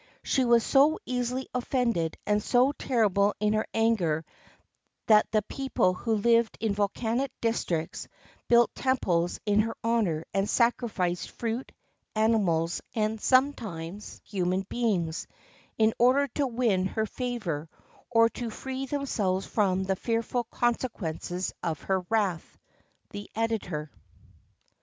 She was so easily offended and so terrible in her anger that the people who lived in volcanic districts built temples in her honor and sacrificed fruit, animals, and sometimes human beings, in order to win her favor or to free themselves from the fearful consequences of her wrath. The Editor.